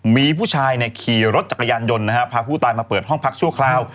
มีผู้ชายขี่รถจักรยานยนต์นะฮะพาผู้ตายมาเปิดห้องพักชั่วคราว